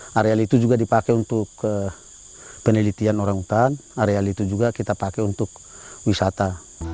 nah areal itu juga dipakai untuk penelitian orang hutan areal itu juga kita pakai untuk wisata